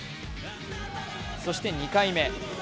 そして２回目。